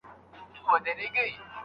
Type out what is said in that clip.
هغه اوږده پاڼه ډنډ ته وړې ده.